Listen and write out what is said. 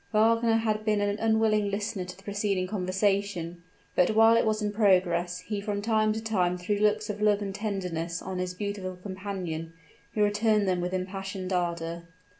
Wagner had been an unwilling listener to the preceding conversation; but while it was in progress, he from time to time threw looks of love and tenderness on his beautiful companion, who returned them with impassioned ardor.